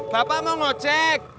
bapak mau ngecek